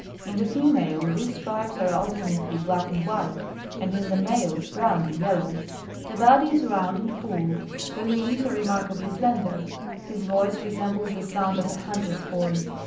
In the female these stripes are alternately black and white ; and in the male, brown and yellow. The body is round and full ; the limbs are remarkably slender. His voice resembles the sound of a hunter's horn.